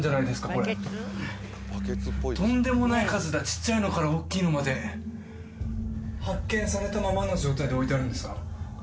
これとんでもない数だちっちゃいのからおっきいのまで発見されたままの状態で置いてあるんですか？